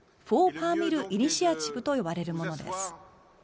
４パーミル・イニシアチブと呼ばれるものです。